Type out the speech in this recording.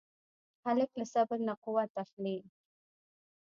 هلک له صبر نه قوت اخلي.